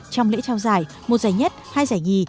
trong lễ trao giải một giải nhất hai giải nhì